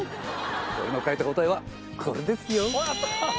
俺の書いた答えはこれですよ。